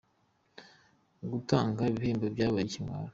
Gutanga ibihembo byabaye ikimwaro